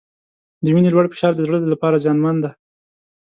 د وینې لوړ فشار د زړه لپاره زیانمن دی.